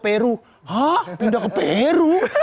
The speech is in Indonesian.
peru hah pindah ke peru